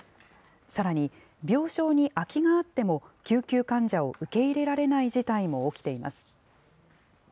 さらに、病床に空きがあっても、救急患者を受け入れられない事態も起きています。